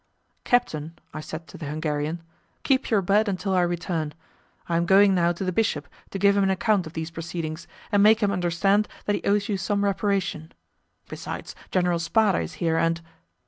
"Captain," I said to the Hungarian, "keep your bed until I return. I am going now to the bishop to give him an account of these proceedings, and make him understand that he owes you some reparation. Besides, General Spada is here, and...."